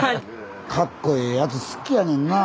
かっこええやつ好きやねんなあ。